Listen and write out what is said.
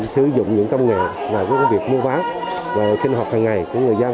sử dụng những công nghệ là cái việc mua bán và sinh hoạt hàng ngày của người dân